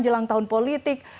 jelang tahun politik